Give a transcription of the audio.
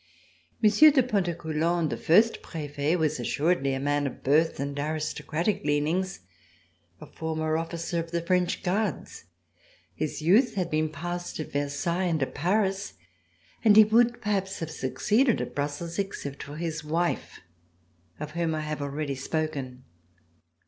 Monsieur de Pontecoulant, the first Prefet, was assuredly a man of birth and aristocratic leanings, a former officer of the French Guards. His youth had been passed at Versailles and at Paris and he would perhaps have succeeded at Brussels except for his wife, of whom I have already spoken.